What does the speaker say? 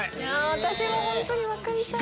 私も本当に分かりたい。